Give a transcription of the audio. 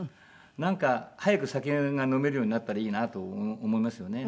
なんか早く酒が飲めるようになったらいいなと思いますよね。